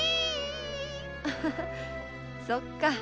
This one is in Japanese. アハハそっか。